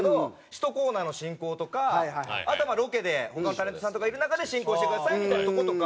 ひとコーナーの進行とかあとはロケで他のタレントさんとかいる中で進行してくださいみたいなとことか。